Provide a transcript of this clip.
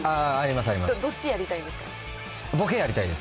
どっちやりたいんですか？